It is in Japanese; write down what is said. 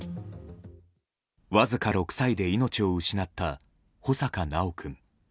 わずか６歳で命を失った穂坂修君。